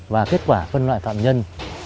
và kết quả phân loại phạm nhân